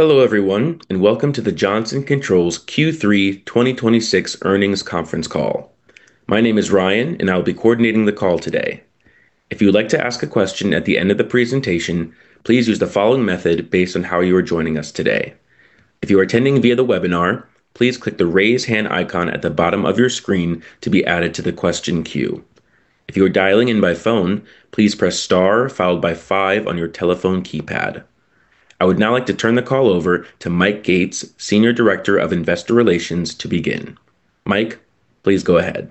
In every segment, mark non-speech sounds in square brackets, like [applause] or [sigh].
Hello everyone, and welcome to the Johnson Controls Q3 2026 earnings conference call. My name is Ryan, and I will be coordinating the call today. If you would like to ask a question at the end of the presentation, please use the following method based on how you are joining us today. If you are attending via the webinar, please click the raise hand icon at the bottom of your screen to be added to the question queue. If you are dialing in by phone, please press star followed by five on your telephone keypad. I would now like to turn the call over to Mike Gates, Senior Director of Investor Relations, to begin. Mike, please go ahead.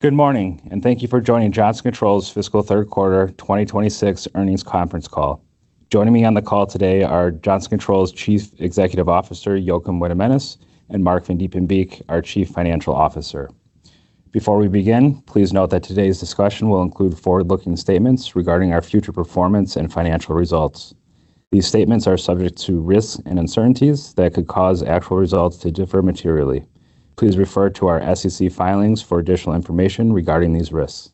Good morning, and thank you for joining Johnson Controls fiscal third quarter 2026 earnings conference call. Joining me on the call today are Johnson Controls Chief Executive Officer, Joakim Weidemanis, and Marc Vandiepenbeeck, our Chief Financial Officer. Before we begin, please note that today's discussion will include forward-looking statements regarding our future performance and financial results. These statements are subject to risks and uncertainties that could cause actual results to differ materially. Please refer to our SEC filings for additional information regarding these risks.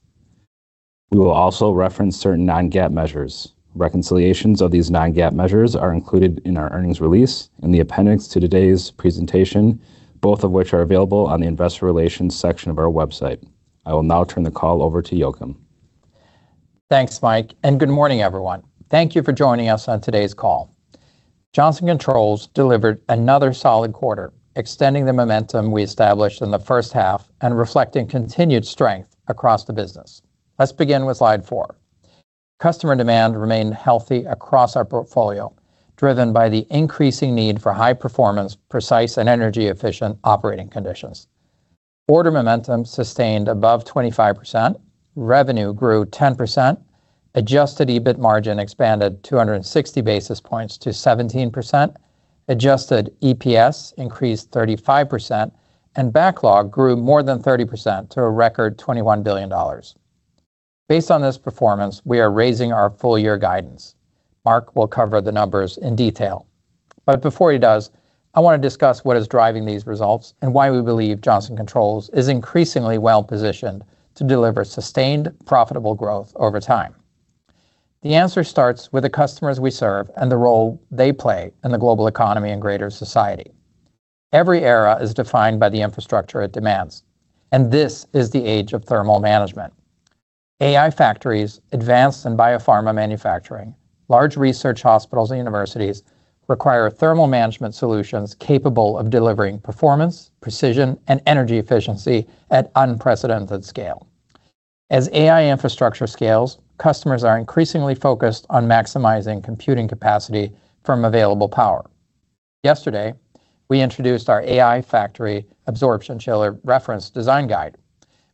We will also reference certain non-GAAP measures. Reconciliations of these non-GAAP measures are included in our earnings release in the appendix to today's presentation, both of which are available on the investor relations section of our website. I will now turn the call over to Joakim. Thanks, Mike, and good morning, everyone. Thank you for joining us on today's call. Johnson Controls delivered another solid quarter, extending the momentum we established in the first half and reflecting continued strength across the business. Let's begin with slide four. Customer demand remained healthy across our portfolio, driven by the increasing need for high performance, precise, and energy-efficient operating conditions. Order momentum sustained above 25%, revenue grew 10%, adjusted EBIT margin expanded 260 basis points to 17%, adjusted EPS increased 35%, and backlog grew more than 30% to a record $21 billion. Based on this performance, we are raising our full-year guidance. Marc will cover the numbers in detail. Before he does, I want to discuss what is driving these results and why we believe Johnson Controls is increasingly well-positioned to deliver sustained, profitable growth over time. The answer starts with the customers we serve and the role they play in the global economy and greater society. Every era is defined by the infrastructure it demands, and this is the age of thermal management. AI factories, advanced and biopharma manufacturing, large research hospitals and universities require thermal management solutions capable of delivering performance, precision, and energy efficiency at unprecedented scale. As AI infrastructure scales, customers are increasingly focused on maximizing computing capacity from available power. Yesterday, we introduced our AI factory absorption chiller reference design guide,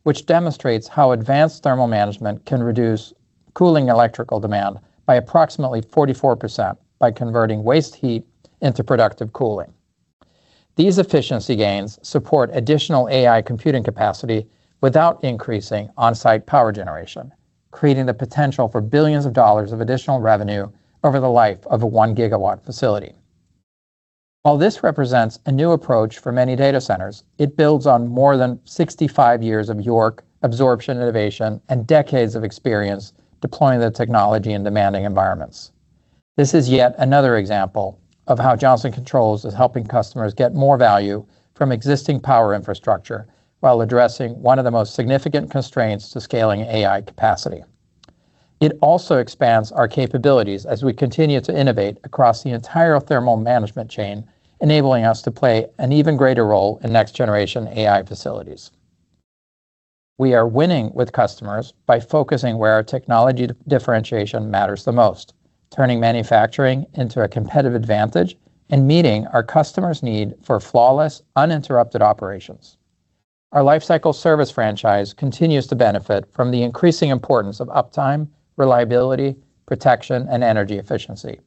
which demonstrates how advanced thermal management can reduce cooling electrical demand by approximately 44% by converting waste heat into productive cooling. These efficiency gains support additional AI computing capacity without increasing on-site power generation, creating the potential for billions of dollars of additional revenue over the life of a 1 GW facility. While this represents a new approach for many data centers, it builds on more than 65 years of YORK absorption innovation and decades of experience deploying the technology in demanding environments. This is yet another example of how Johnson Controls is helping customers get more value from existing power infrastructure while addressing one of the most significant constraints to scaling AI capacity. It also expands our capabilities as we continue to innovate across the entire thermal management chain, enabling us to play an even greater role in next generation AI facilities. We are winning with customers by focusing where our technology differentiation matters the most, turning manufacturing into a competitive advantage and meeting our customers' need for flawless, uninterrupted operations. Our lifecycle service franchise continues to benefit from the increasing importance of uptime, reliability, protection, and energy efficiency,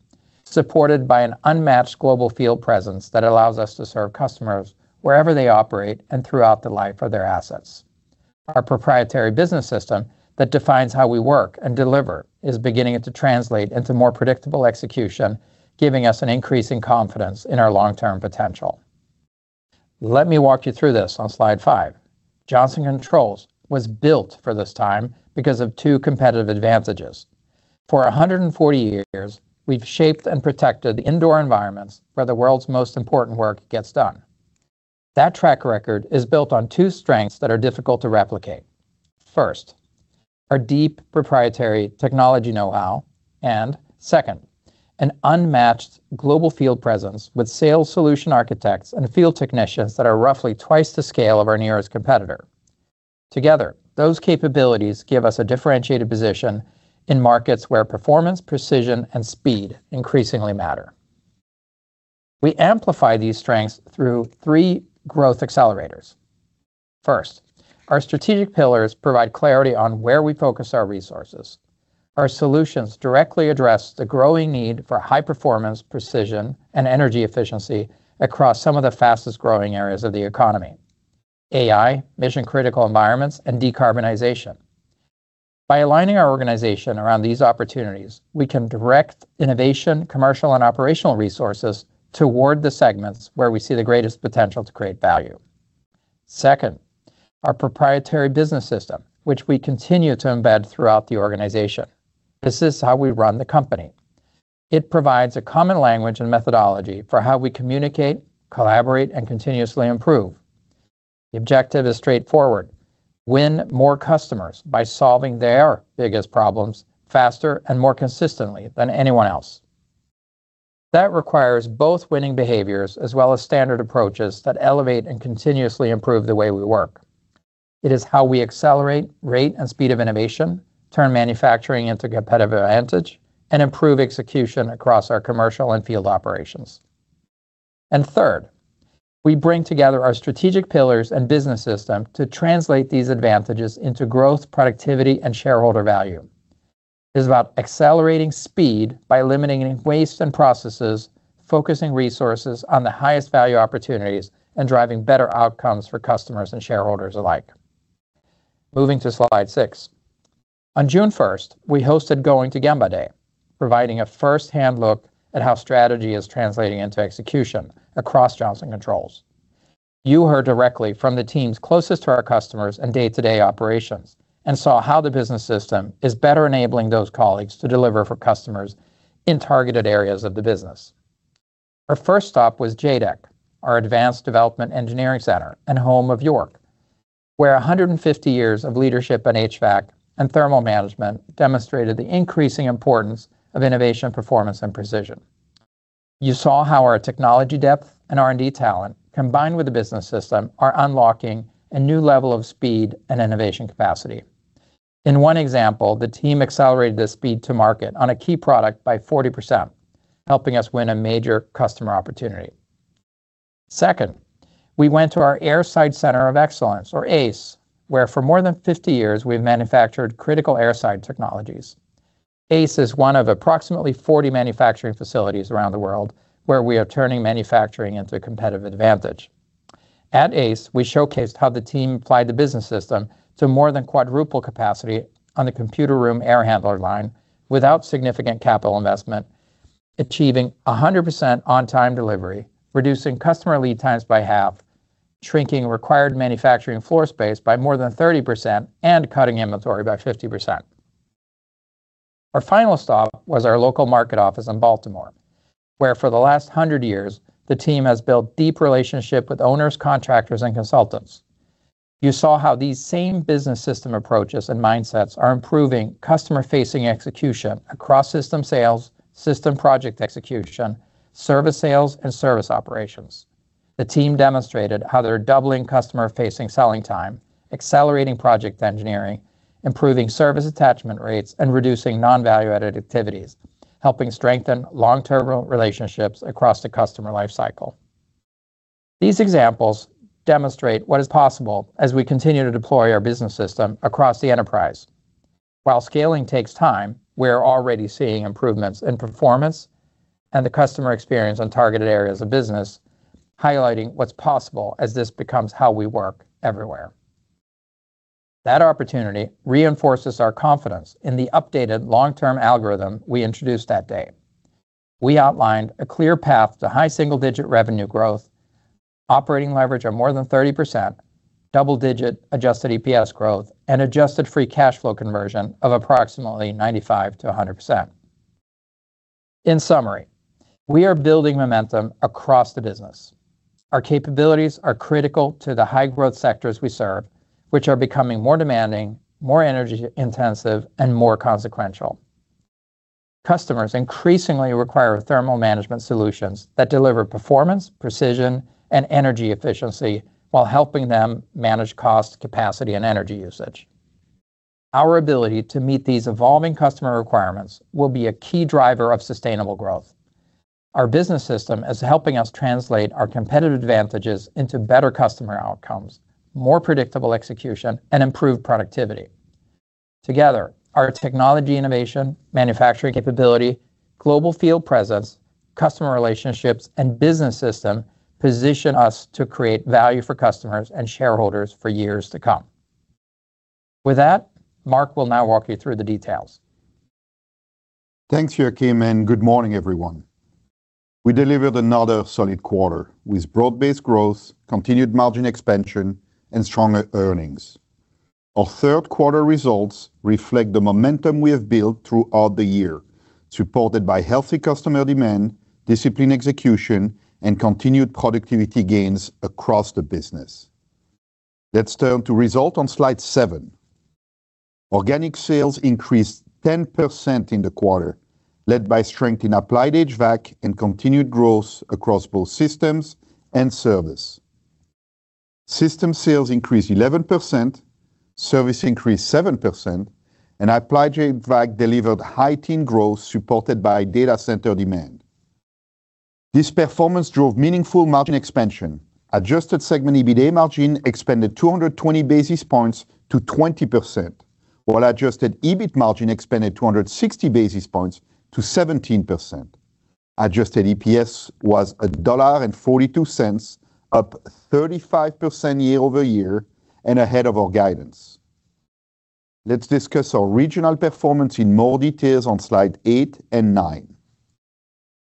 supported by an unmatched global field presence that allows us to serve customers wherever they operate and throughout the life of their assets. Our proprietary business system that defines how we work and deliver is beginning to translate into more predictable execution, giving us an increase in confidence in our long-term potential. Let me walk you through this on slide five. Johnson Controls was built for this time because of two competitive advantages. For 140 years, we've shaped and protected indoor environments where the world's most important work gets done. That track record is built on two strengths that are difficult to replicate. First, our deep proprietary technology know-how, and second, an unmatched global field presence with sales solution architects and field technicians that are roughly twice the scale of our nearest competitor. Together, those capabilities give us a differentiated position in markets where performance, precision, and speed increasingly matter. We amplify these strengths through three growth accelerators. First, our strategic pillars provide clarity on where we focus our resources. Our solutions directly address the growing need for high performance, precision, and energy efficiency across some of the fastest-growing areas of the economy: AI, mission-critical environments, and decarbonization. By aligning our organization around these opportunities, we can direct innovation, commercial, and operational resources toward the segments where we see the greatest potential to create value. Second, our proprietary business system, which we continue to embed throughout the organization. This is how we run the company. It provides a common language and methodology for how we communicate, collaborate, and continuously improve. The objective is straightforward: Win more customers by solving their biggest problems faster and more consistently than anyone else. That requires both winning behaviors as well as standard approaches that elevate and continuously improve the way we work. It is how we accelerate rate and speed of innovation, turn manufacturing into competitive advantage, and improve execution across our commercial and field operations. Third, we bring together our strategic pillars and business system to translate these advantages into growth, productivity, and shareholder value. It is about accelerating speed by limiting waste and processes, focusing resources on the highest value opportunities, and driving better outcomes for customers and shareholders alike. Moving to slide six. On June 1st, we hosted Going to Gemba Day, providing a first-hand look at how strategy is translating into execution across Johnson Controls. You heard directly from the teams closest to our customers and day-to-day operations and saw how the business system is better enabling those colleagues to deliver for customers in targeted areas of the business. Our first stop was JADEC, our Advanced Development Engineering Center and home of YORK, where 150 years of leadership in HVAC and thermal management demonstrated the increasing importance of innovation, performance, and precision. You saw how our technology depth and R&D talent, combined with the business system, are unlocking a new level of speed and innovation capacity. In one example, the team accelerated the speed to market on a key product by 40%, helping us win a major customer opportunity. Second, we went to our Airside Center of Excellence, or ACE, where for more than 50 years, we've manufactured critical airside technologies. ACE is one of approximately 40 manufacturing facilities around the world where we are turning manufacturing into a competitive advantage. At ACE, we showcased how the team applied the business system to more than quadruple capacity on the computer room air handler line without significant capital investment, achieving 100% on-time delivery, reducing customer lead times by half, shrinking required manufacturing floor space by more than 30%, and cutting inventory by 50%. Our final stop was our local market office in Baltimore, where for the last 100 years, the team has built deep relationships with owners, contractors, and consultants. You saw how these same business system approaches and mindsets are improving customer-facing execution across system sales, system project execution, service sales, and service operations. The team demonstrated how they're doubling customer-facing selling time, accelerating project engineering, improving service attachment rates, and reducing non-value-added activities, helping strengthen long-term relationships across the customer life cycle. These examples demonstrate what is possible as we continue to deploy our business system across the enterprise. While scaling takes time, we're already seeing improvements in performance and the customer experience on targeted areas of business, highlighting what's possible as this becomes how we work everywhere. That opportunity reinforces our confidence in the updated long-term algorithm we introduced that day. We outlined a clear path to high single-digit revenue growth, operating leverage of more than 30%, double-digit adjusted EPS growth, and adjusted free cash flow conversion of approximately 95%-100%. In summary, we are building momentum across the business. Our capabilities are critical to the high-growth sectors we serve, which are becoming more demanding, more energy intensive, and more consequential. Customers increasingly require thermal management solutions that deliver performance, precision, and energy efficiency while helping them manage cost, capacity, and energy usage. Our ability to meet these evolving customer requirements will be a key driver of sustainable growth. Our business system is helping us translate our competitive advantages into better customer outcomes, more predictable execution, and improved productivity. Together, our technology innovation, manufacturing capability, global field presence, customer relationships, and business system position us to create value for customers and shareholders for years to come. With that, Marc will now walk you through the details. Thanks, Joakim, and good morning, everyone. We delivered another solid quarter with broad-based growth, continued margin expansion, and stronger earnings. Our third quarter results reflect the momentum we have built throughout the year, supported by healthy customer demand, disciplined execution, and continued productivity gains across the business. Let's turn to results on slide seven. Organic sales increased 10% in the quarter, led by strength in Applied HVAC and continued growth across both systems and service. System sales increased 11%, service increased 7%, and Applied HVAC delivered high teen growth supported by data center demand. This performance drove meaningful margin expansion. Adjusted segment EBITDA margin expanded 220 basis points to 20%, while adjusted EBIT margin expanded 260 basis points to 17%. Adjusted EPS was $1.42, up 35% year-over-year, and ahead of our guidance. Let's discuss our regional performance in more details on slide eight and nine.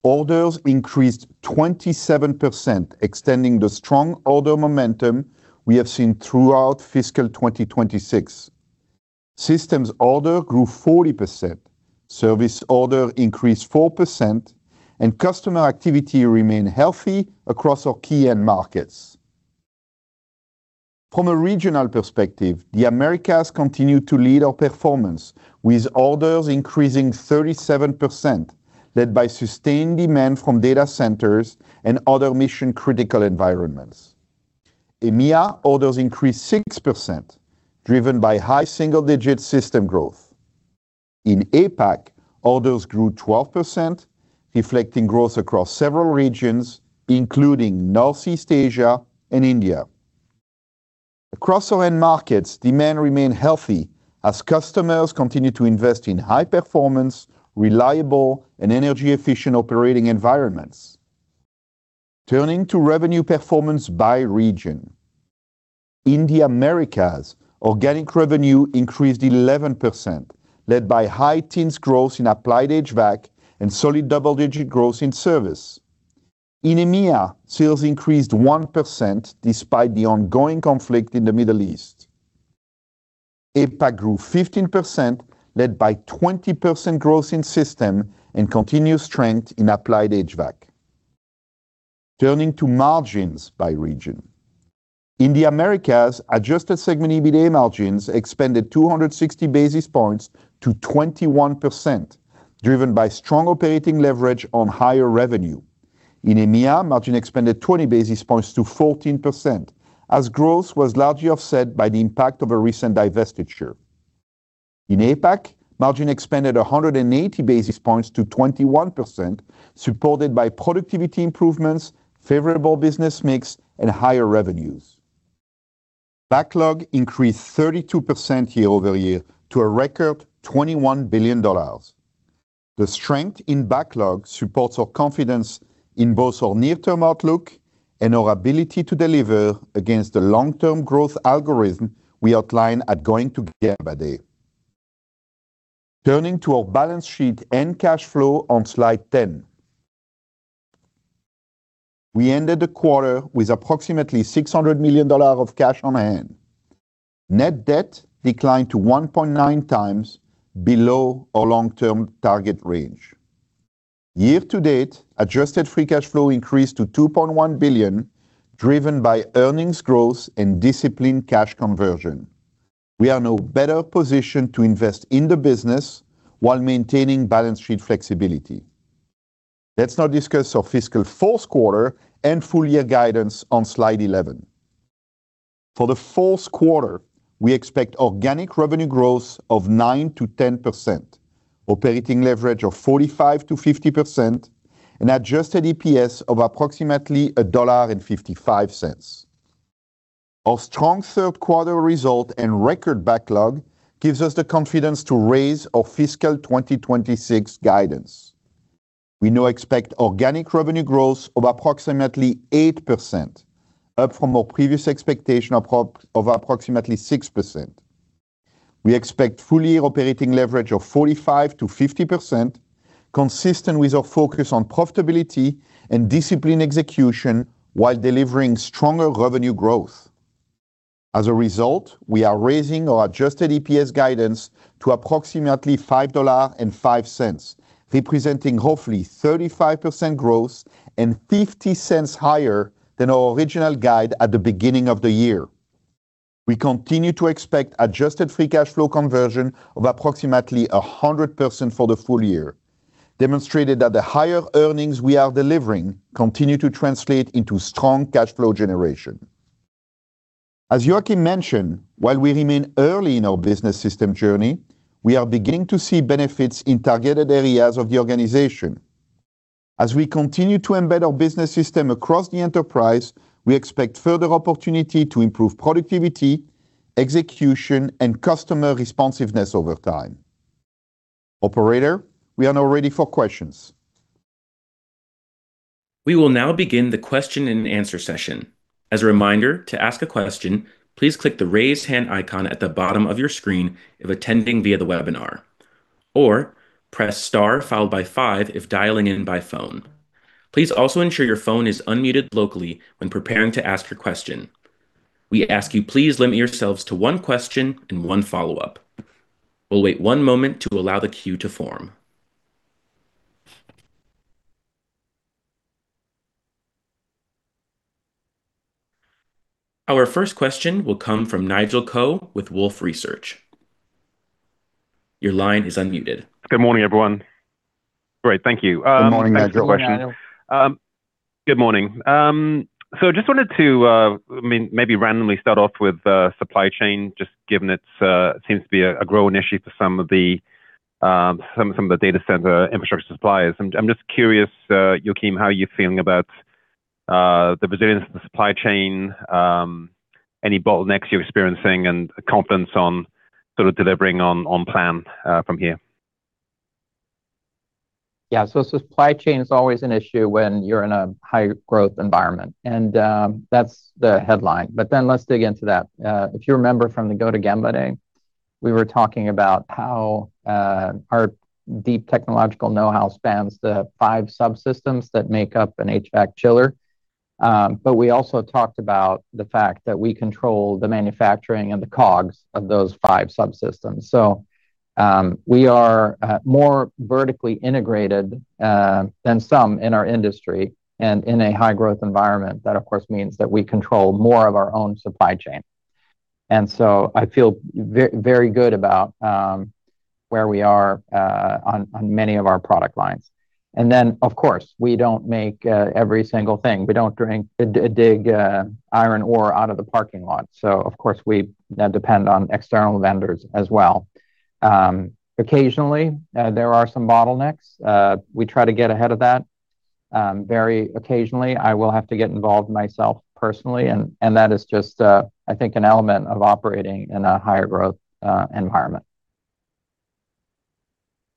Orders increased 27%, extending the strong order momentum we have seen throughout fiscal 2026. Systems order grew 40%, service order increased 4%, and customer activity remained healthy across our key end markets. From a regional perspective, the Americas continued to lead our performance, with orders increasing 37%, led by sustained demand from data centers and other mission-critical environments. EMEA orders increased 6%, driven by high single-digit system growth. In APAC, orders grew 12%, reflecting growth across several regions, including Northeast Asia and India. Across our end markets, demand remained healthy as customers continued to invest in high-performance, reliable, and energy-efficient operating environments. Turning to revenue performance by region. In the Americas, organic revenue increased 11%, led by high teens growth in Applied HVAC and solid double-digit growth in service. In EMEA, sales increased 1% despite the ongoing conflict in the Middle East. APAC grew 15%, led by 20% growth in System and continued strength in Applied HVAC. Turning to margins by region. In the Americas, adjusted segment EBITDA margins expanded 260 basis points to 21%, driven by strong operating leverage on higher revenue. In EMEA, margin expanded 20 basis points to 14%, as growth was largely offset by the impact of a recent divestiture. In APAC, margin expanded 180 basis points to 21%, supported by productivity improvements, favorable business mix, and higher revenues. Backlog increased 32% year-over-year to a record $21 billion. The strength in backlog supports our confidence in both our near-term outlook and our ability to deliver against the long-term growth algorithm we outlined at Going to Gemba Day. Turning to our balance sheet and cash flow on slide 10. We ended the quarter with approximately $600 million of cash on hand. Net debt declined to 1.9 times below our long-term target range. Year-to-date, adjusted free cash flow increased to $2.1 billion, driven by earnings growth and disciplined cash conversion. We are in a better position to invest in the business while maintaining balance sheet flexibility. Let's now discuss our fiscal fourth quarter and full year guidance on slide 11. For the fourth quarter, we expect organic revenue growth of 9%-10%, operating leverage of 45%-50%, and adjusted EPS of approximately $1.55. Our strong third quarter result and record backlog gives us the confidence to raise our fiscal 2026 guidance. We now expect organic revenue growth of approximately 8%, up from our previous expectation of approximately 6%. We expect full-year operating leverage of 45%-50%, consistent with our focus on profitability and disciplined execution while delivering stronger revenue growth. As a result, we are raising our adjusted EPS guidance to approximately $5.05, representing hopefully 35% growth and $0.50 higher than our original guide at the beginning of the year. We continue to expect adjusted free cash flow conversion of approximately 100% for the full year, demonstrating that the higher earnings we are delivering continue to translate into strong cash flow generation. As Joakim mentioned, while we remain early in our business system journey, we are beginning to see benefits in targeted areas of the organization. As we continue to embed our business system across the enterprise, we expect further opportunity to improve productivity, execution, and customer responsiveness over time. Operator, we are now ready for questions. We will now begin the question-and-answer session. As a reminder, to ask a question, please click the raise hand icon at the bottom of your screen if attending via the webinar, or press star followed by five if dialing in by phone. Please also ensure your phone is unmuted locally when preparing to ask your question. We ask you please limit yourselves to one question and one follow-up. We will wait one moment to allow the queue to form. Our first question will come from Nigel Coe with Wolfe Research. Your line is unmuted. Good morning, everyone. Great. Thank you. Good morning, Nigel. I have a question. Good morning. Just wanted to maybe randomly start off with supply chain, just given it seems to be a growing issue for some of the data center infrastructure suppliers. I'm just curious, Joakim, how you're feeling about the resilience of the supply chain, any bottlenecks you're experiencing, and confidence on sort of delivering on plan from here. Yeah. Supply chain is always an issue when you're in a high growth environment, and that's the headline. Let's dig into that. If you remember from the Going to Gemba Day, we were talking about how our deep technological know-how spans the five subsystems that make up an HVAC chiller. We also talked about the fact that we control the manufacturing and the cogs of those five subsystems. In a high growth environment, that of course means that we control more of our own supply chain. I feel very good about where we are on many of our product lines. Then of course, we don't make every single thing. We don't dig iron ore out of the parking lot. Of course, we depend on external vendors as well. Occasionally, there are some bottlenecks. We try to get ahead of that. Very occasionally, I will have to get involved myself personally. That is just, I think, an element of operating in a higher growth environment.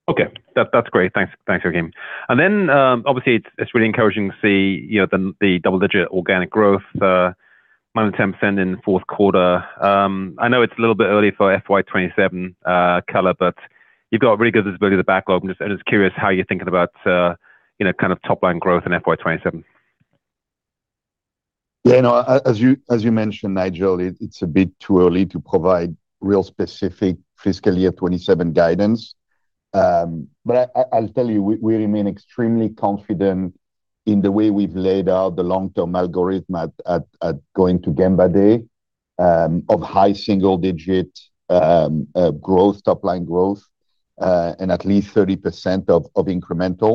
Okay. That's great. Thanks, Joakim. Obviously, it's really encouraging to see the double-digit organic growth, -10% in the fourth quarter. I know it's a little bit early for FY 2027 color, but you've got really good visibility of the backlog, and I'm just curious how you're thinking about top line growth in FY 2027. As you mentioned, Nigel, it's a bit too early to provide real specific fiscal year 2027 guidance. I'll tell you, we remain extremely confident in the way we've laid out the long-term algorithm at Going to Gemba Day of high single-digit top line growth, and at least 30% of incremental.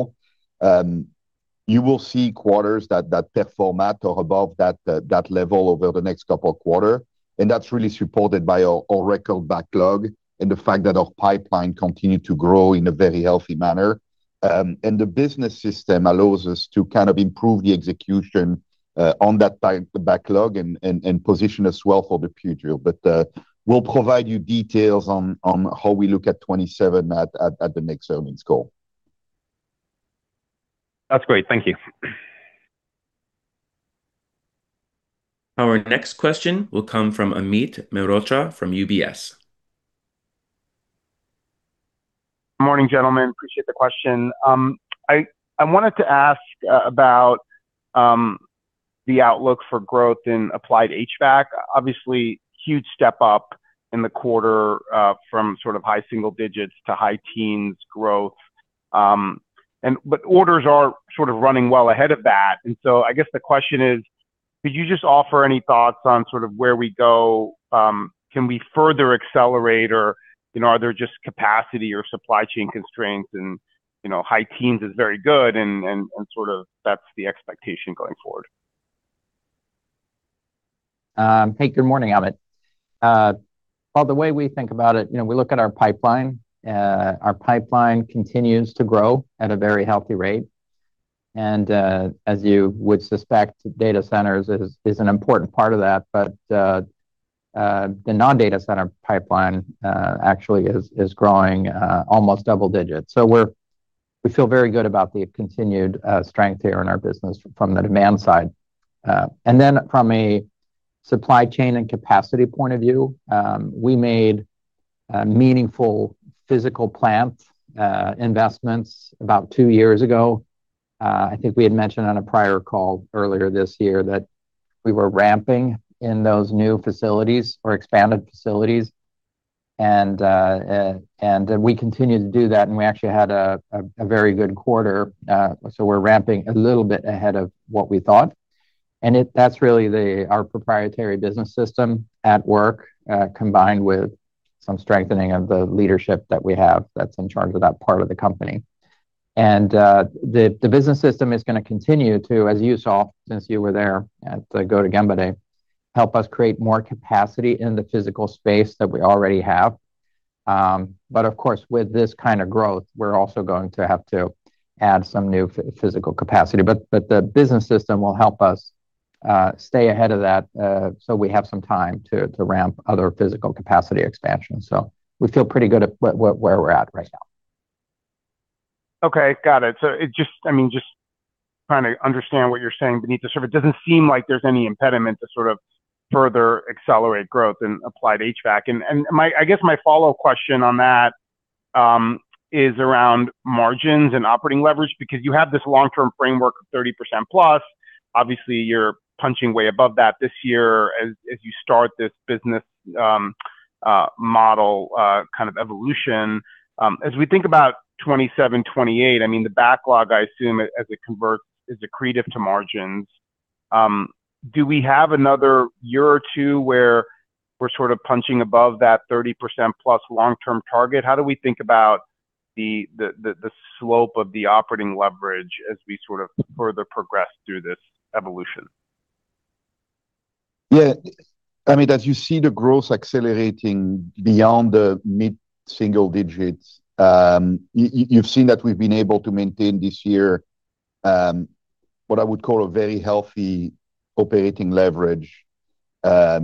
You will see quarters that perform at or above that level over the next couple of quarters. That's really supported by our record backlog and the fact that our pipeline continued to grow in a very healthy manner. The business system allows us to kind of improve the execution on that pipeline, the backlog, and position as well for the future. We'll provide you details on how we look at 2027 at the next earnings call. That's great. Thank you. Our next question will come from Amit Mehrotra from UBS. Morning, gentlemen. Appreciate the question. I wanted to ask about the outlook for growth in Applied HVAC. Obviously, huge step up in the quarter from sort of high single-digits to high-teens growth. Orders are sort of running well ahead of that. I guess the question is, could you just offer any thoughts on sort of where we go? Can we further accelerate or are there just capacity or supply chain constraints and high-teens is very good and sort of that's the expectation going forward? Good morning, Amit. The way we think about it, we look at our pipeline. Our pipeline continues to grow at a very healthy rate. As you would suspect, data centers is an important part of that. The non-data center pipeline actually is growing almost double digits. We feel very good about the continued strength here in our business from the demand side. From a supply chain and capacity point of view, we made meaningful physical plant investments about two years ago. I think we had mentioned on a prior call earlier this year that we were ramping in those new facilities or expanded facilities. We continue to do that, and we actually had a very good quarter. We're ramping a little bit ahead of what we thought. That's really our proprietary business system at work, combined with some strengthening of the leadership that we have that's in charge of that part of the company. The business system is going to continue to, as you saw since you were there at the Going to Gemba Day, help us create more capacity in the physical space that we already have. Of course, with this kind of growth, we're also going to have to add some new physical capacity. The business system will help us stay ahead of that so we have some time to ramp other physical capacity expansions. We feel pretty good at where we're at right now. Got it. Just trying to understand what you're saying beneath the surface. It doesn't seem like there's any impediment to sort of further accelerate growth in Applied HVAC. I guess my follow question on that is around margins and operating leverage, because you have this long-term framework of 30%+. Obviously, you're punching way above that this year as you start this business model kind of evolution. As we think about 2027, 2028, the backlog, I assume, as it converts, is accretive to margins. Do we have another year or two where we're sort of punching above that 30%+ long-term target? How do we think about the slope of the operating leverage as we sort of further progress through this evolution? Amit, as you see the growth accelerating beyond the mid-single digits, you've seen that we've been able to maintain this year, what I would call a very healthy operating leverage,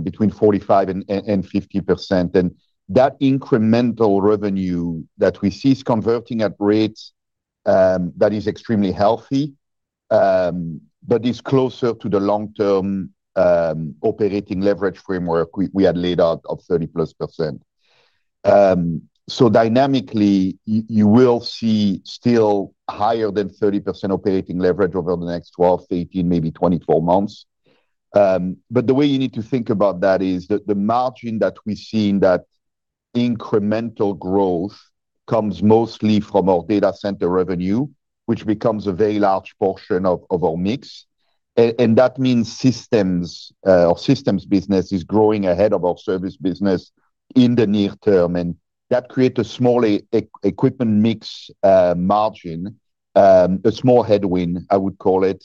between 45% and 50%. That incremental revenue that we see is converting at rates that is extremely healthy. It's closer to the long-term operating leverage framework we had laid out of 30%+. Dynamically, you will see still higher than 30% operating leverage over the next 12-18, maybe 24 months. The way you need to think about that is that the margin that we see in that incremental growth comes mostly from our data center revenue, which becomes a very large portion of our mix. That means systems business is growing ahead of our service business in the near term, and that creates a small equipment mix margin, a small headwind, I would call it.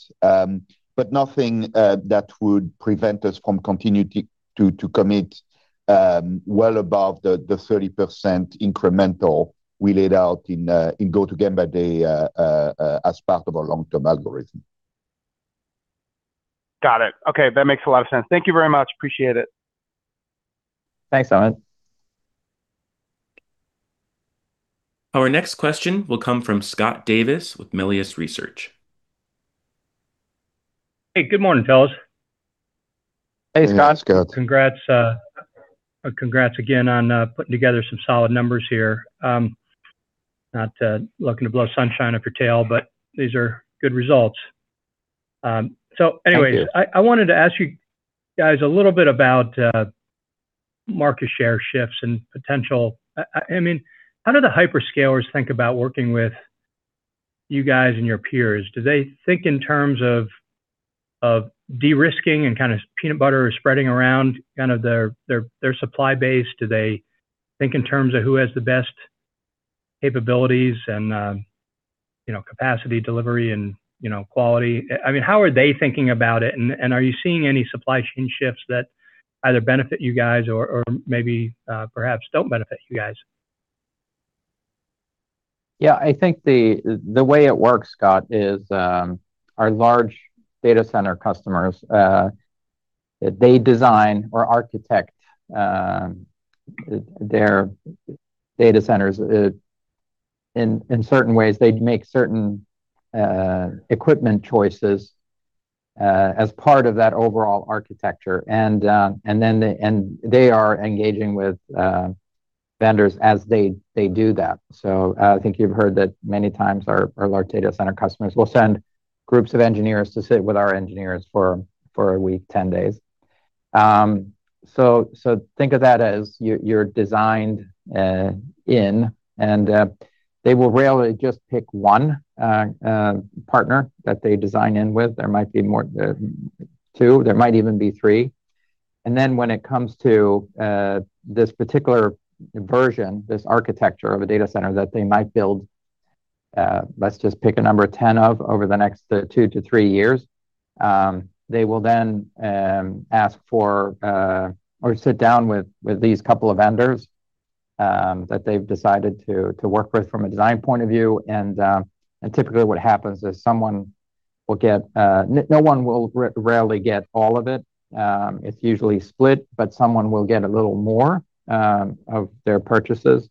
Nothing that would prevent us from continuing to commit well above the 30% incremental we laid out in Going to Gemba Day as part of our long-term algorithm. Got it. Okay, that makes a lot of sense. Thank you very much. Appreciate it. Thanks, Amit. Our next question will come from Scott Davis with Melius Research. Hey, good morning, fellas. Hey, Scott. Hey, Scott. Congrats again on putting together some solid numbers here. Not looking to blow sunshine up your tail, but these are good results. Thank you. Anyway, I wanted to ask you guys a little bit about market share shifts and potential. How do the hyperscalers think about working with you guys and your peers? Do they think in terms of de-risking and kind of peanut butter spreading around kind of their supply base? Do they think in terms of who has the best capabilities and capacity, delivery, and quality? How are they thinking about it, and are you seeing any supply chain shifts that either benefit you guys or maybe perhaps don't benefit you guys? I think the way it works, Scott, is our large data center customers, they design or architect their data centers. In certain ways, they make certain equipment choices as part of that overall architecture. They are engaging with vendors as they do that. I think you've heard that many times our large data center customers will send groups of engineers to sit with our engineers for a week, 10 days. Think of that as you're designed in, and they will rarely just pick one partner that they design in with. There might be more, two, there might even be three. When it comes to this particular version, this architecture of a data center that they might build, let's just pick a number 10 of over the next two to three years. They will then ask for or sit down with these couple of vendors that they've decided to work with from a design point of view. Typically what happens is no one will rarely get all of it. It's usually split, but someone will get a little more of their purchases.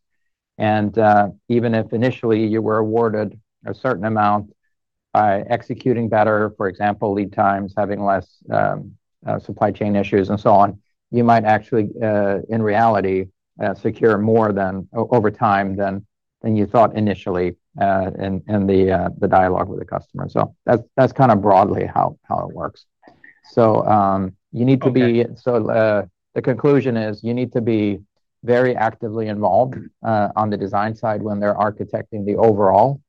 Even if initially you were awarded a certain amount by executing better, for example, lead times, having less supply chain issues, and so on, you might actually, in reality, secure more over time than you thought initially in the dialogue with the customer. That's kind of broadly how it works. Okay. The conclusion is you need to be very actively involved on the design side when they're architecting the overall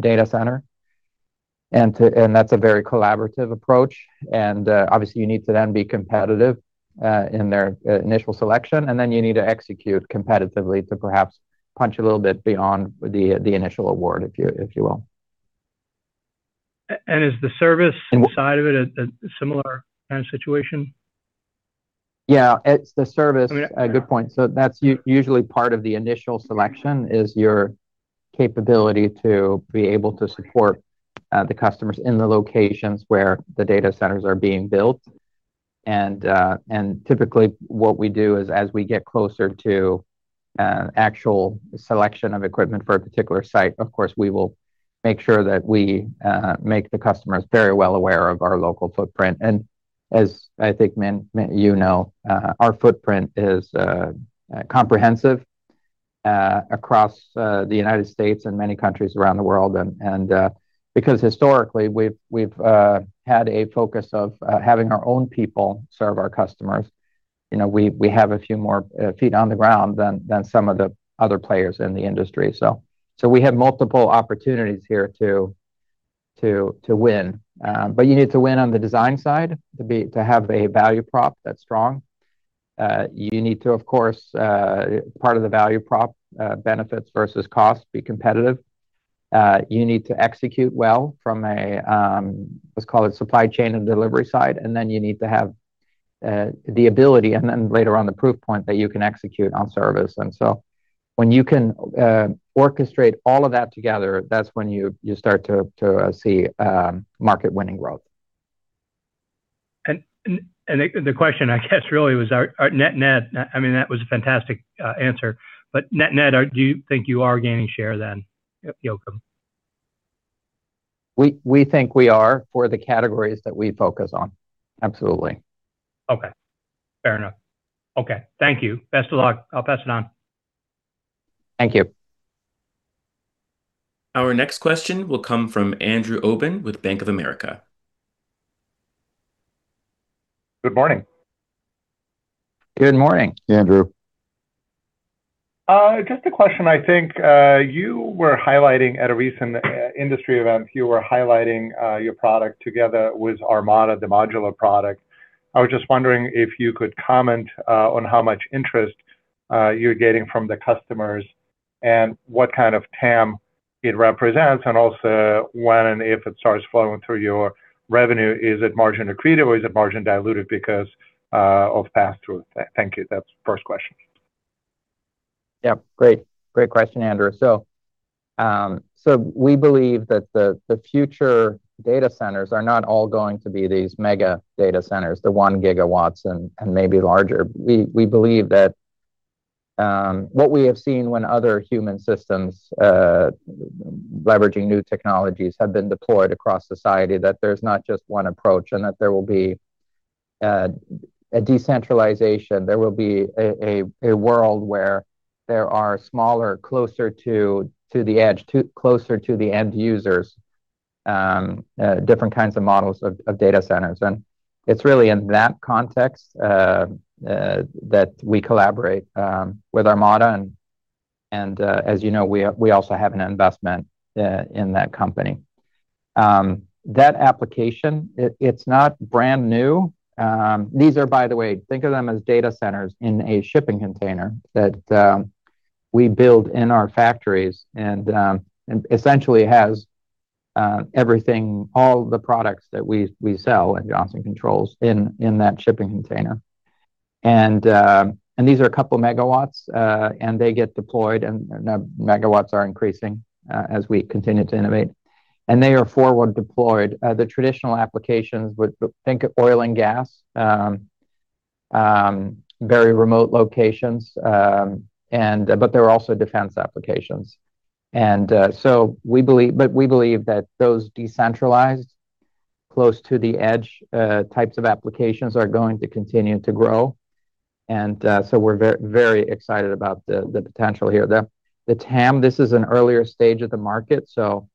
data center. That's a very collaborative approach. Obviously, you need to then be competitive in their initial selection, and then you need to execute competitively to perhaps punch a little bit beyond the initial award, if you will. Is the service side of it a similar kind of situation? Yeah, it's the service. Oh, yeah. Good point. That's usually part of the initial selection is your capability to be able to support the customers in the locations where the data centers are being built. Typically what we do is as we get closer to actual selection of equipment for a particular site, of course, we will make sure that we make the customers very well aware of our local footprint. As I think, [inaudible] you know, our footprint is comprehensive across the U.S. and many countries around the world. Because historically we've had a focus of having our own people serve our customers, we have a few more feet on the ground than some of the other players in the industry. We have multiple opportunities here to win. But you need to win on the design side to have a value prop that's strong. You need to, of course, part of the value prop, benefits versus cost, be competitive. You need to execute well from a, let's call it supply chain and delivery side. You need to have the ability, and then later on the proof point that you can execute on service. When you can orchestrate all of that together, that's when you start to see market-winning growth. The question, I guess really was net, that was a fantastic answer, net, do you think you are gaining share then, Joakim? We think we are for the categories that we focus on. Absolutely. Okay. Fair enough. Okay. Thank you. Best of luck. I'll pass it on. Thank you. Our next question will come from Andrew Obin with Bank of America. Good morning. Good morning. Andrew. Just a question. I think, you were highlighting at a recent industry event, you were highlighting your product together with Armada, the modular product. I was just wondering if you could comment on how much interest you're getting from the customers and what kind of TAM it represents, and also when and if it starts flowing through your revenue. Is it margin accretive or is it margin diluted because of passthrough? Thank you. That's the first question. Great question, Andrew. We believe that the future data centers are not all going to be these mega data centers, the 1 GW and maybe larger. We believe that what we have seen when other human systems, leveraging new technologies, have been deployed across society, that there's not just one approach and that there will be a decentralization. There will be a world where there are smaller, closer to the edge, closer to the end users, different kinds of models of data centers. It's really in that context that we collaborate with Armada, and as you know, we also have an investment in that company. That application, it's not brand new. These are, by the way, think of them as data centers in a shipping container that we build in our factories, and essentially has everything, all the products that we sell at Johnson Controls in that shipping container. These are a couple of megawatts, and they get deployed, and megawatts are increasing as we continue to innovate. They are forward deployed. The traditional applications would think of oil and gas, very remote locations, but there are also defense applications. We believe that those decentralized, close to the edge types of applications are going to continue to grow. We're very excited about the potential here. The TAM, this is an earlier stage of the market, so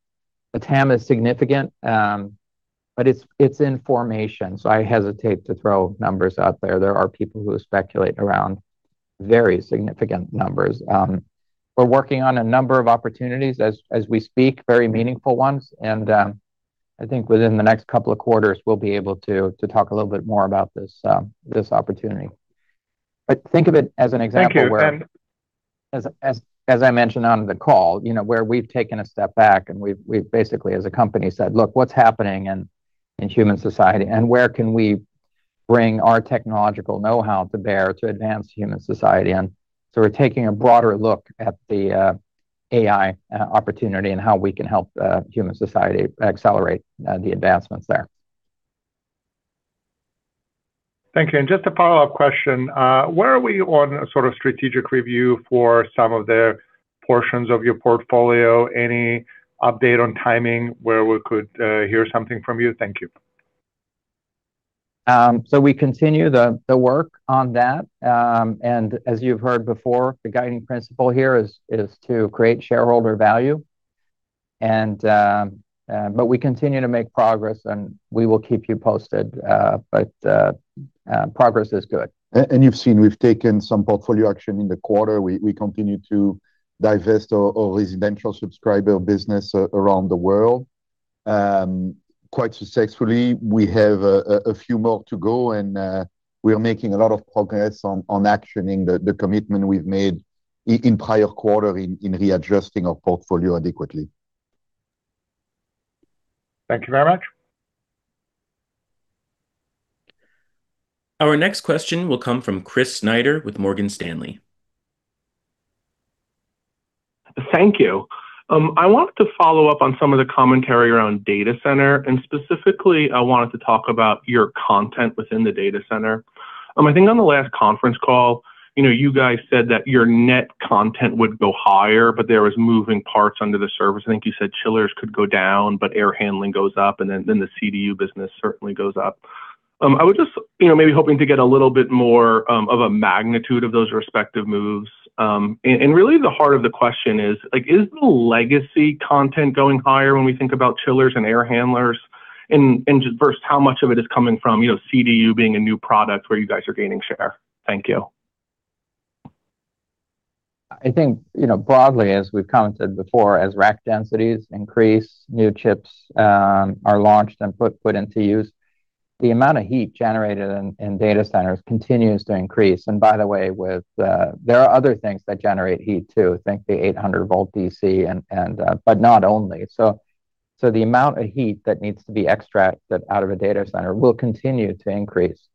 the TAM is significant. It's in formation, so I hesitate to throw numbers out there. There are people who speculate around very significant numbers. We're working on a number of opportunities as we speak, very meaningful ones, and I think within the next couple of quarters, we'll be able to talk a little bit more about this opportunity. Thank you. As I mentioned on the call, where we've taken a step back and we've basically, as a company said, "Look, what's happening in human society, and where can we bring our technological know-how to bear to advance human society?" We're taking a broader look at the AI opportunity and how we can help human society accelerate the advancements there. Thank you. Just a follow-up question. Where are we on sort of strategic review for some of the portions of your portfolio? Any update on timing where we could hear something from you? Thank you. We continue the work on that. As you've heard before, the guiding principle here is to create shareholder value. We continue to make progress, and we will keep you posted. Progress is good. You've seen we've taken some portfolio action in the quarter. We continue to divest our residential subscriber business around the world quite successfully. We have a few more to go, and we are making a lot of progress on actioning the commitment we've made in prior quarter in readjusting our portfolio adequately. Thank you very much. Our next question will come from Chris Snyder with Morgan Stanley. Thank you. I wanted to follow up on some of the commentary around data center. Specifically, I wanted to talk about your content within the data center. I think on the last conference call, you guys said that your net content would go higher, but there was moving parts under the surface. I think you said chillers could go down, but air handling goes up, and then the CDU business certainly goes up. I was just maybe hoping to get a little bit more of a magnitude of those respective moves. Really, the heart of the question is the legacy content going higher when we think about chillers and air handlers? Just versus how much of it is coming from CDU being a new product where you guys are gaining share? Thank you. I think, broadly, as we've commented before, as rack densities increase, new chips are launched and put into use. The amount of heat generated in data centers continues to increase. By the way, there are other things that generate heat, too. Think the 800 volt DC, but not only. The amount of heat that needs to be extracted out of a data center will continue to increase.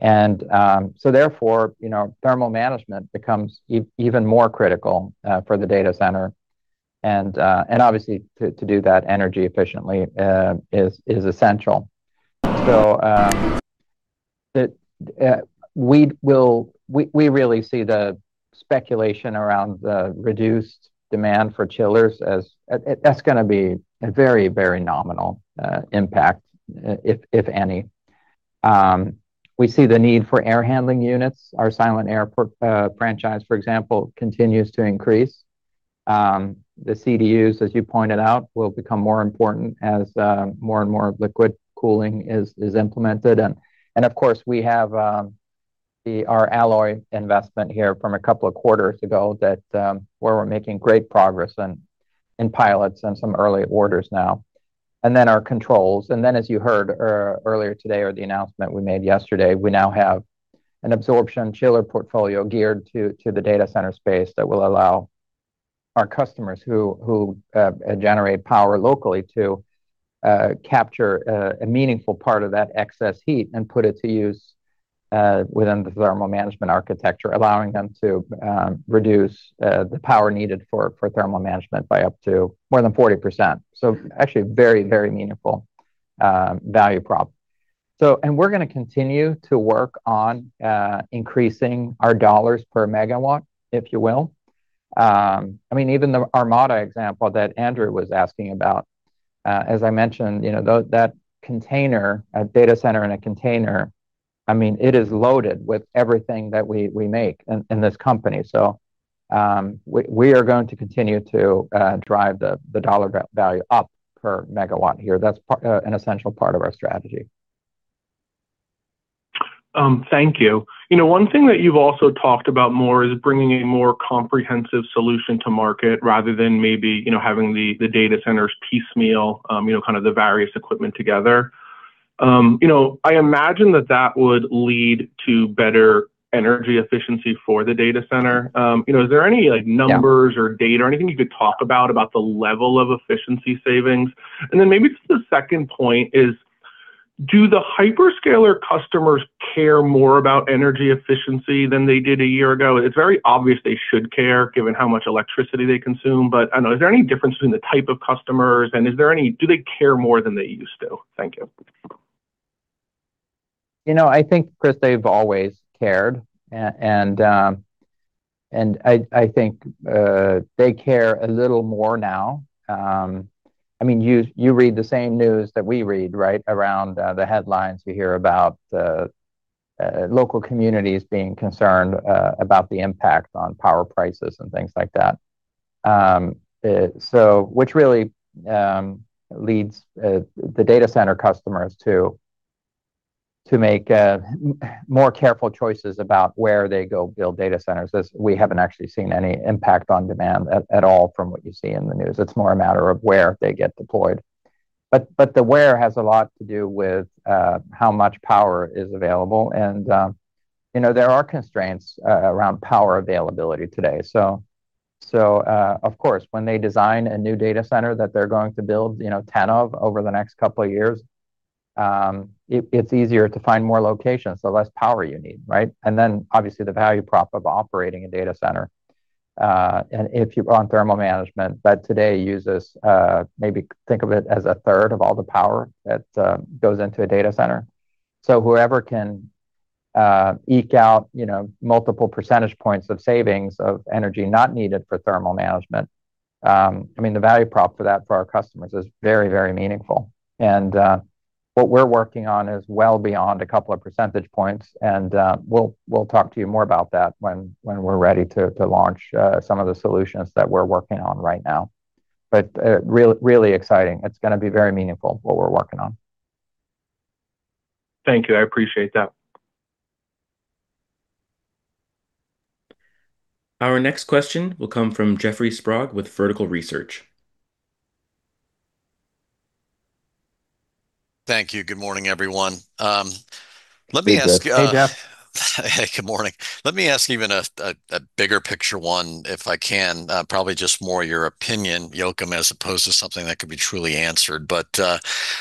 Therefore, thermal management becomes even more critical for the data center. Obviously, to do that energy efficiently is essential. We really see the speculation around the reduced demand for chillers as, that's going to be a very nominal impact, if any. We see the need for air handling units. Our Silent-Aire franchise, for example, continues to increase. The CDUs, as you pointed out, will become more important as more and more liquid cooling is implemented. Of course, we have our Alloy investment here from a couple of quarters ago where we're making great progress in pilots and some early orders now. Then our controls. Then, as you heard earlier today or the announcement we made yesterday, we now have an absorption chiller portfolio geared to the data center space that will allow our customers who generate power locally to capture a meaningful part of that excess heat and put it to use within the thermal management architecture, allowing them to reduce the power needed for thermal management by up to more than 40%. Actually, very meaningful value prop. We're going to continue to work on increasing our dollars per megawatt, if you will. Even the Armada example that Andrew was asking about, as I mentioned, that data center in a container, it is loaded with everything that we make in this company. We are going to continue to drive the dollar value up per megawatt here. That's an essential part of our strategy. Thank you. One thing that you've also talked about more is bringing a more comprehensive solution to market rather than maybe having the data centers piecemeal the various equipment together. I imagine that that would lead to better energy efficiency for the data center. Is there any numbers or data or anything you could talk about the level of efficiency savings? Maybe just the second point is, do the hyperscaler customers care more about energy efficiency than they did a year ago? It's very obvious they should care given how much electricity they consume. Is there any difference between the type of customers and do they care more than they used to? Thank you. I think, Chris, they've always cared, and I think they care a little more now. You read the same news that we read, right, around the headlines we hear about local communities being concerned about the impact on power prices and things like that. Really leads the data center customers to make more careful choices about where they go build data centers, as we haven't actually seen any impact on demand at all from what you see in the news. It's more a matter of where they get deployed. The where has a lot to do with how much power is available. There are constraints around power availability today. Of course, when they design a new data center that they're going to build 10 of over the next couple of years, it's easier to find more locations, the less power you need, right? Obviously the value prop of operating a data center. If you run thermal management, that today uses maybe think of it as a third of all the power that goes into a data center. Whoever can eke out multiple percentage points of savings of energy not needed for thermal management the value prop for that for our customers is very meaningful. What we're working on is well beyond a couple of percentage points, and we'll talk to you more about that when we're ready to launch some of the solutions that we're working on right now. It's really exciting. It's going to be very meaningful what we're working on. Thank you. I appreciate that. Our next question will come from Jeffrey Sprague with Vertical Research. Thank you. Good morning, everyone. Hey, Jeff. Good morning. Let me ask even a bigger picture one if I can. Probably just more your opinion, Joakim, as opposed to something that could be truly answered.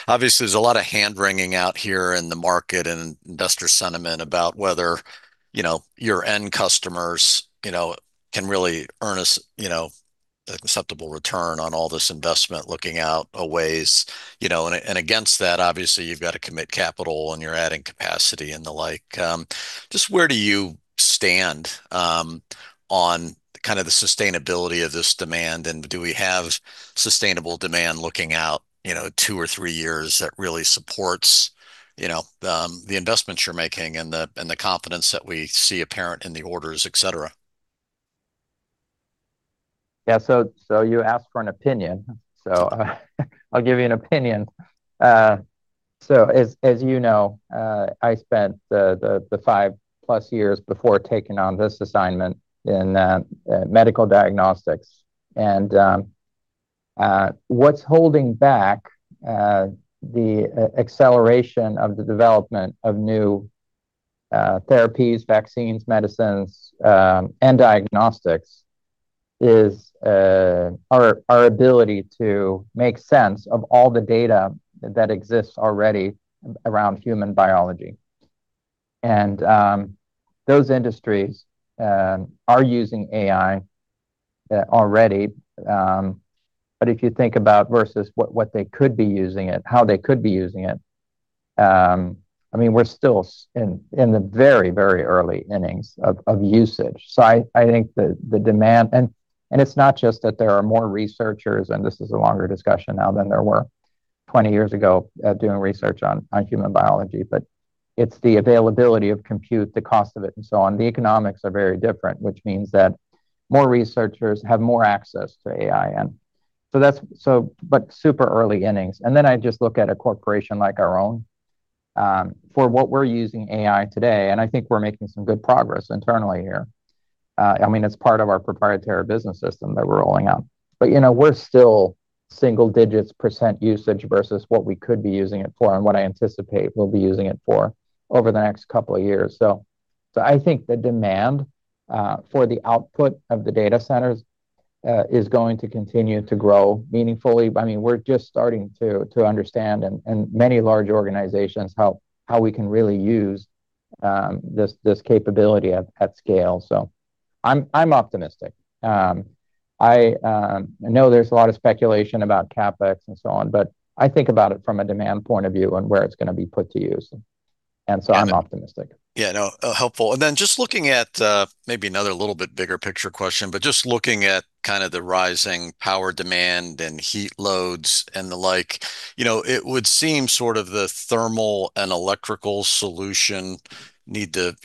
Obviously there's a lot of hand-wringing out here in the market and investor sentiment about whether your end customers can really earn a susceptible return on all this investment, looking out a ways. Against that, obviously, you've got to commit capital and you're adding capacity and the like. Just where do you stand on the sustainability of this demand, and do we have sustainable demand looking out two or three years that really supports the investments you're making and the confidence that we see apparent in the orders, et cetera? Yeah. You asked for an opinion, I'll give you an opinion. As you know, I spent the 5+ years before taking on this assignment in medical diagnostics. What's holding back the acceleration of the development of new therapies, vaccines, medicines, and diagnostics is our ability to make sense of all the data that exists already around human biology. Those industries are using AI already. If you think about versus what they could be using it, how they could be using it, we're still in the very early innings of usage. I think the demand, it's not just that there are more researchers, this is a longer discussion now than there were 20 years ago, doing research on human biology. It's the availability of compute, the cost of it, and so on. The economics are very different, which means that more researchers have more access to AI. Super early innings. Then I just look at a corporation like our own, for what we're using AI today, I think we're making some good progress internally here. It's part of our proprietary business system that we're rolling out. We're still single digits percent usage versus what we could be using it for and what I anticipate we'll be using it for over the next couple of years. I think the demand for the output of the data centers is going to continue to grow meaningfully. We're just starting to understand, and many large organizations, how we can really use this capability at scale. I'm optimistic. I know there's a lot of speculation about CapEx and so on, I think about it from a demand point of view and where it's going to be put to use, I'm optimistic. Yeah, no, helpful. Then just looking at maybe another little bit bigger picture question, just looking at kind of the rising power demand and heat loads and the like. It would seem sort of the thermal and electrical solution need to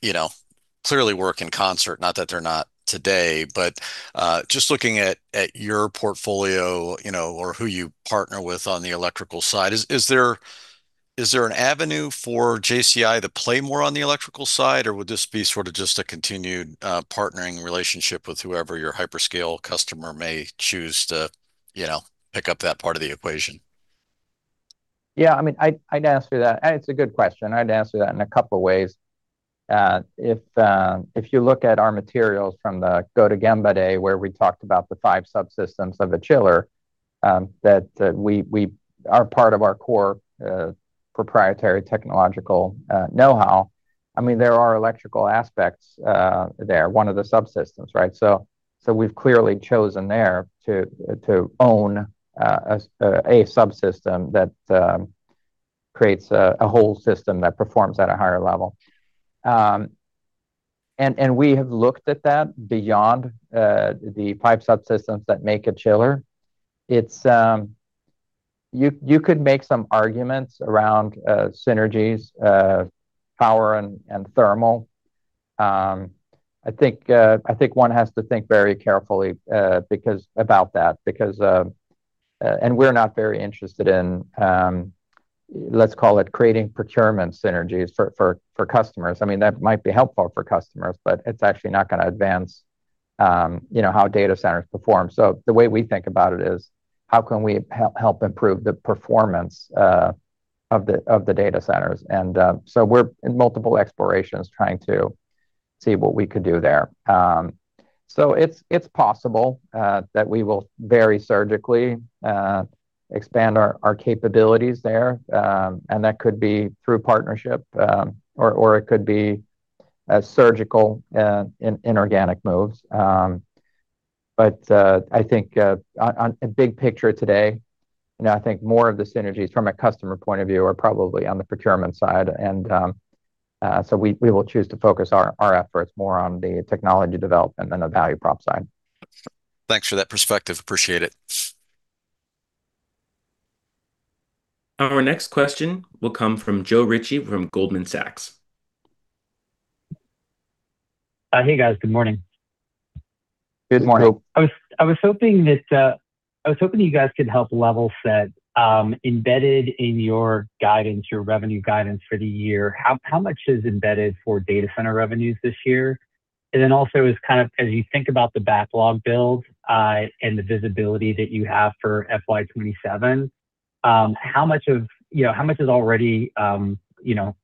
clearly work in concert. Not that they're not today, just looking at your portfolio or who you partner with on the electrical side, is there an avenue for JCI to play more on the electrical side, or would this be sort of just a continued partnering relationship with whoever your hyperscale customer may choose to pick up that part of the equation? Yeah, I'd answer that. It's a good question. I'd answer that in a couple of ways. If you look at our materials from the Going to Gemba Day where we talked about the five subsystems of a chiller that are part of our core proprietary technological knowhow. There are electrical aspects there, one of the subsystems. We've clearly chosen there to own a subsystem that creates a whole system that performs at a higher level. We have looked at that beyond the five subsystems that make a chiller. You could make some arguments around synergies, power and thermal. I think one has to think very carefully about that. We're not very interested in, let's call it, creating procurement synergies for customers. That might be helpful for customers. It's actually not going to advance how data centers perform. The way we think about it is how can we help improve the performance of the data centers? We're in multiple explorations trying to see what we could do there. It's possible that we will very surgically expand our capabilities there. That could be through partnership, or it could be surgical in organic moves. I think on a big picture today, I think more of the synergies from a customer point of view are probably on the procurement side. We will choose to focus our efforts more on the technology development than the value prop side. Thanks for that perspective. Appreciate it. Our next question will come from Joe Ritchie of Goldman Sachs. Hey, guys. Good morning. Good morning. I was hoping you guys could help level set. Embedded in your revenue guidance for the year, how much is embedded for data center revenues this year? Then also as you think about the backlog build, and the visibility that you have for FY 2027, how much is already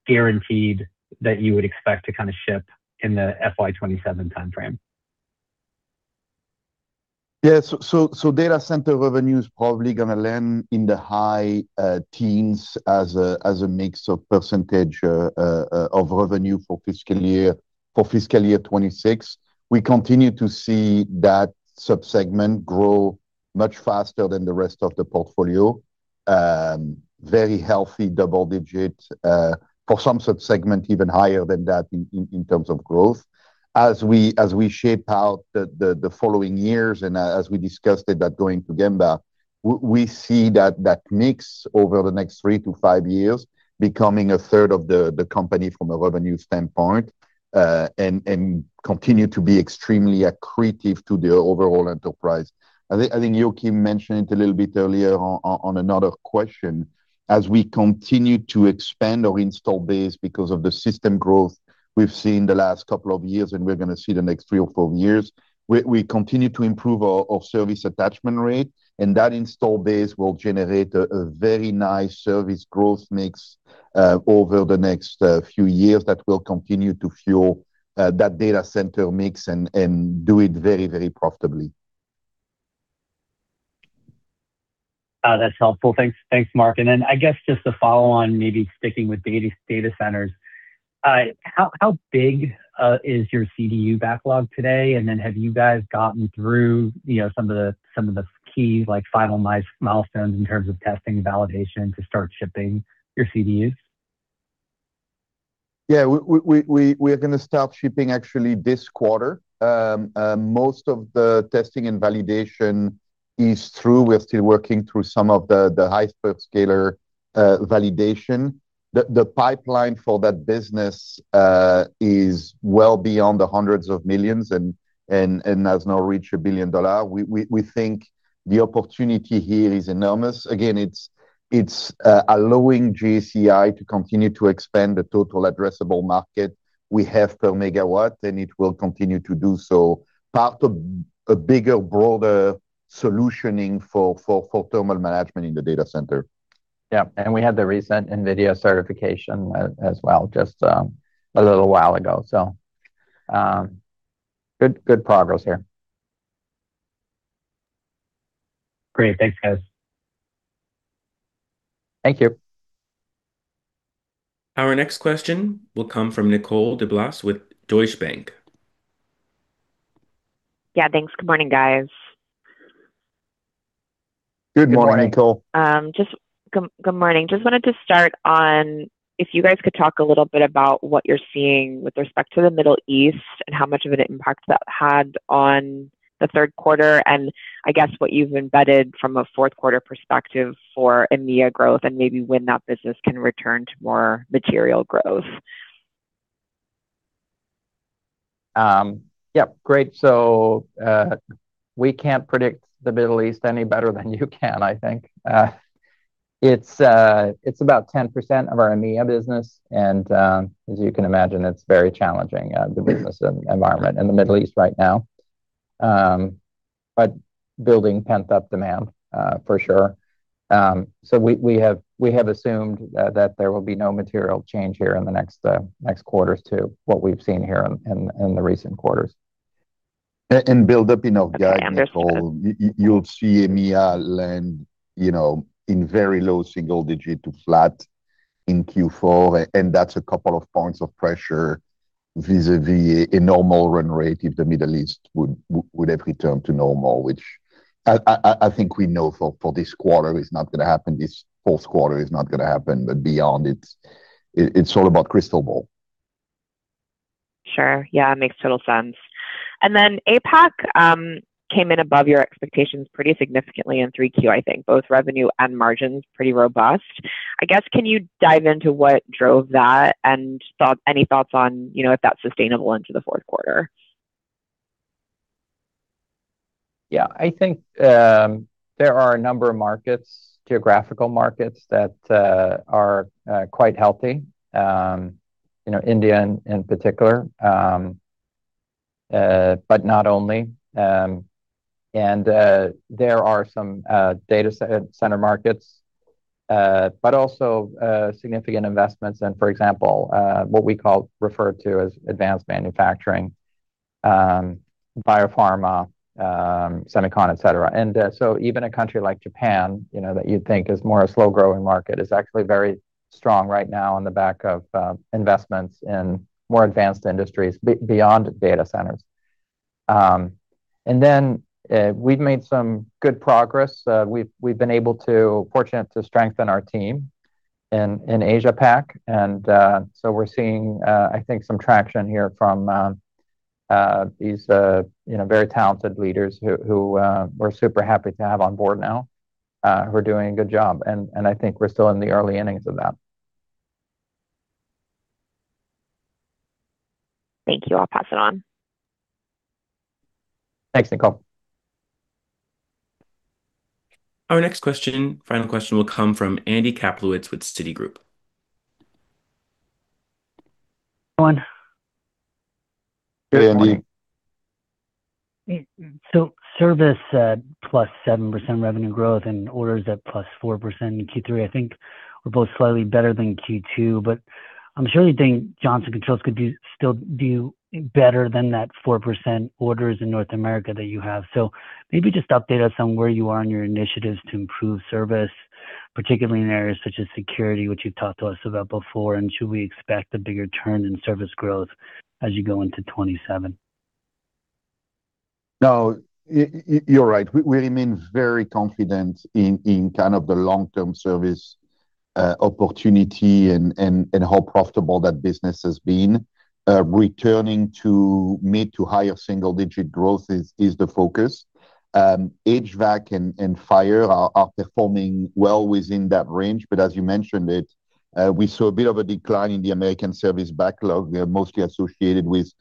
guaranteed that you would expect to ship in the FY 2027 timeframe? Yeah. Data center revenue is probably going to land in the high teens as a mix of percentage of revenue for fiscal year 2026. We continue to see that sub-segment grow much faster than the rest of the portfolio. Very healthy, double digits, for some sub-segment even higher than that in terms of growth. As we shape out the following years, and as we discussed at that Going to Gemba, we see that mix over the next three to five years becoming a third of the company from a revenue standpoint, and continue to be extremely accretive to the overall enterprise. I think Joakim mentioned it a little bit earlier on another question. As we continue to expand our install base because of the system growth we've seen the last couple of years, we're going to see the next three or four years, we continue to improve our service attachment rate, and that install base will generate a very nice service growth mix over the next few years that will continue to fuel that data center mix and do it very profitability. That's helpful. Thanks, Marc. I guess just to follow on, maybe sticking with data centers, how big is your CDU backlog today? Have you guys gotten through some of the key final milestones in terms of testing and validation to start shipping your CDUs? Yeah. We're going to start shipping actually this quarter. Most of the testing and validation is through. We're still working through some of the hyperscaler validation. The pipeline for that business is well beyond the hundreds of millions and has now reached $1 billion. We think the opportunity here is enormous. Again, it's allowing JCI to continue to expand the total addressable market we have per megawatt, and it will continue to do so, part of a bigger, broader solutioning for thermal management in the data center. Yeah. We had the recent NVIDIA certification as well, just a little while ago. Good progress here. Great. Thanks, guys. Thank you. Our next question will come from Nicole DeBlase with Deutsche Bank. Yeah, thanks. Good morning, guys. Good morning, Nicole. Good morning. Just wanted to start on if you guys could talk a little bit about what you're seeing with respect to the Middle East and how much of an impact that had on the third quarter, and I guess what you've embedded from a fourth quarter perspective for EMEA growth, and maybe when that business can return to more material growth. Yeah. Great, we can't predict the Middle East any better than you can, I think. It's about 10% of our EMEA business, and as you can imagine, it's very challenging, the business environment in the Middle East right now. Building pent-up demand for sure. We have assumed that there will be no material change here in the next quarters to what we've seen here in the recent quarters. Build up enough gas, Nicole. You'll see EMEA land in very low single digit to flat in Q4, and that's a couple of points of pressure vis-a-vis a normal run rate if the Middle East would have returned to normal, which I think we know for this quarter is not going to happen. This fourth quarter is not going to happen. Beyond, it's all about crystal ball. Sure. Yeah, makes total sense. APAC came in above your expectations pretty significantly in 3Q, I think, both revenue and margins pretty robust. I guess can you dive into what drove that, and any thoughts on if that's sustainable into the fourth quarter? Yeah, I think there are a number of markets, geographical markets, that are quite healthy. India in particular, but not only. There are some data center markets, but also significant investments in, for example, what we refer to as advanced manufacturing, biopharma, semicon, et cetera. Even a country like Japan that you'd think is more a slow-growing market is actually very strong right now on the back of investments in more advanced industries beyond data centers. We've made some good progress. We've been fortunate to strengthen our team in Asia Pac, we're seeing I think some traction here from these very talented leaders who we're super happy to have on board now, who are doing a good job. I think we're still in the early innings of that. Thank you. I'll pass it on. Thanks, Nicole. Our next question, final question, will come from Andy Kaplowitz with Citigroup. Good morning. Hey, Andy Service at +7% revenue growth and orders at +4% in Q3, I think were both slightly better than Q2. I'm sure you think Johnson Controls could still do better than that 4% orders in North America that you have. Maybe just update us on where you are on your initiatives to improve service, particularly in areas such as security, which you've talked to us about before, and should we expect a bigger turn in service growth as you go into 2027? No. You're right. We remain very confident in kind of the long-term service opportunity and how profitable that business has been. Returning to mid to higher single-digit growth is the focus. HVAC and fire are performing well within that range. As you mentioned it, we saw a bit of a decline in the American service backlog mostly associated with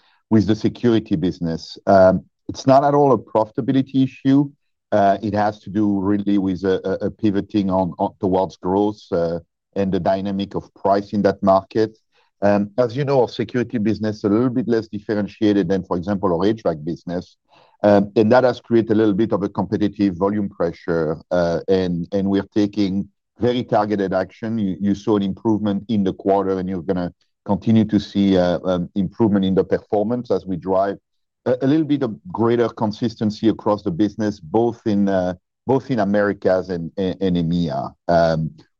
the security business. It's not at all a profitability issue. It has to do really with pivoting towards growth, and the dynamic of pricing that market. As you know, our security business a little bit less differentiated than, for example, our HVAC business. That has created a little bit of a competitive volume pressure, and we're taking very targeted action. You saw an improvement in the quarter, you're going to continue to see improvement in the performance as we drive a little bit of greater consistency across the business, both in Americas and EMEA.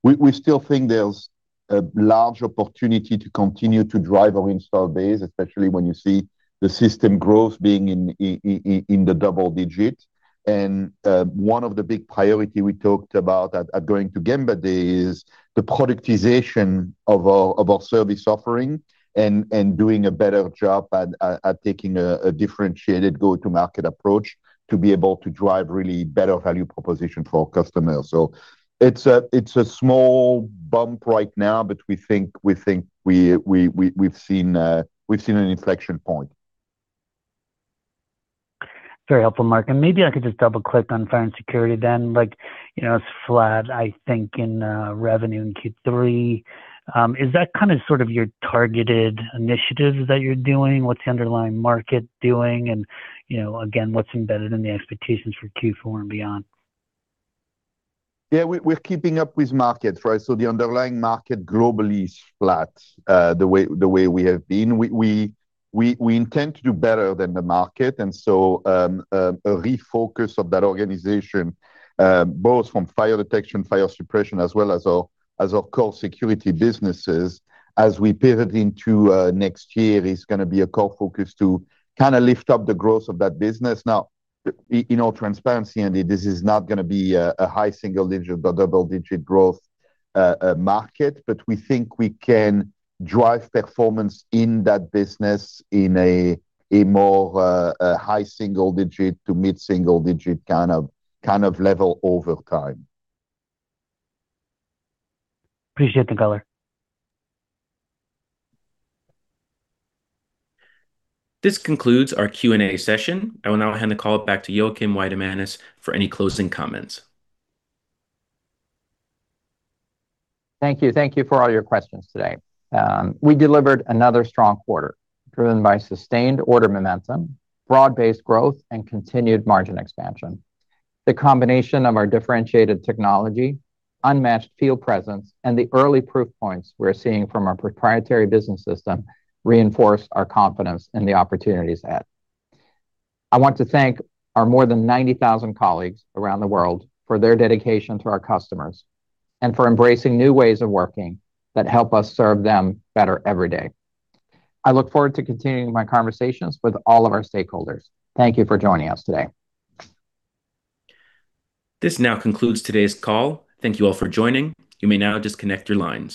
We still think there's a large opportunity to continue to drive our install base, especially when you see the system growth being in the double-digit. One of the big priority we talked about at Going to Gemba Day is the productization of our service offering and doing a better job at taking a differentiated go-to-market approach to be able to drive really better value proposition for our customers. It's a small bump right now, but we think we've seen an inflection point. Very helpful, Marc. Maybe I could just double-click on fire and security then. It's flat, I think, in revenue in Q3. Is that kind of sort of your targeted initiatives that you're doing? What's the underlying market doing? Again, what's embedded in the expectations for Q4 and beyond? Yeah. We're keeping up with market, right? The underlying market globally is flat, the way we have been. We intend to do better than the market. A refocus of that organization, both from fire detection, fire suppression, as well as our core security businesses, as we pivot into next year, is going to be a core focus to kind of lift up the growth of that business. Now, in all transparency, Andy, this is not going to be a high single-digit or double-digit growth market. We think we can drive performance in that business in a more high single-digit to mid-single-digit kind of level over time. Appreciate the color. This concludes our Q&A session. I will now hand the call back to Joakim Weidemanis for any closing comments. Thank you. Thank you for all your questions today. We delivered another strong quarter, driven by sustained order momentum, broad-based growth, and continued margin expansion. The combination of our differentiated technology, unmatched field presence, and the early proof points we're seeing from our proprietary business system reinforce our confidence in the opportunities ahead. I want to thank our more than 90,000 colleagues around the world for their dedication to our customers, and for embracing new ways of working that help us serve them better every day. I look forward to continuing my conversations with all of our stakeholders. Thank you for joining us today. This now concludes today's call. Thank you all for joining. You may now disconnect your lines.